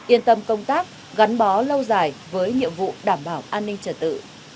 yên tâm công tác gắn bó lâu dài với nhiệm vụ đảm bảo an ninh trật tự